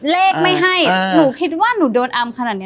เลขไม่ให้หนูคิดว่าหนูโดนอำขนาดนี้